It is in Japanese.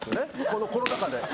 このコロナ禍で。